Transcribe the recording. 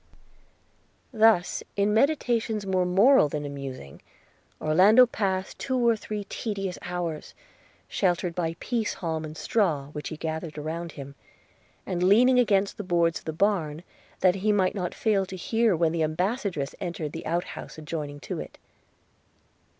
Thus, in meditations more moral than amusing, Orlando passed two or three tedious hours, sheltered by pease halm and straw, which he gathered around him, and leaning against the boards of the barn, that he might not fail to hear when the ambassadress entered the outhouse adjoining to it.